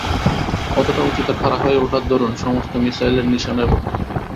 অতটা উঁচুতে খাড়া হয়ে ওঠার দরুণ, সমস্ত মিশাইলের নিশানায় পড়তে হবে।